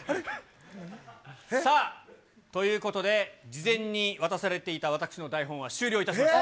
さあ、ということで、事前に渡されていた私の台本は終了いたしました。